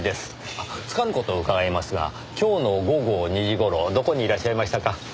あっつかぬ事を伺いますが今日の午後２時頃どこにいらっしゃいましたか？